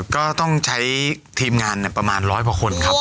ก็ต้องใช้ทีมงานประมาณร้อยกว่าคนครับ